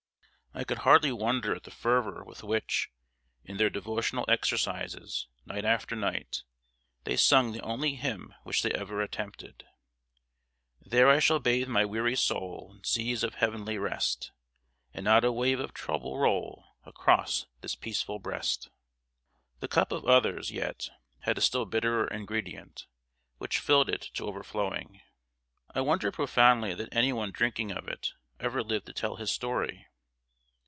I could hardly wonder at the fervor with which, in their devotional exercises, night after night, they sung the only hymn which they ever attempted: "There I shall bathe my weary soul In seas of heavenly rest; And not a wave of trouble roll Across this peaceful breast." The cup of others, yet, had a still bitterer ingredient, which filled it to overflowing. I wonder profoundly that any one drinking of it ever lived to tell his story.